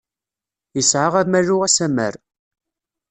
Isɛa amalu, asammer.